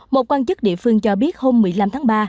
một quan chức địa phương cho biết hôm một mươi năm tháng ba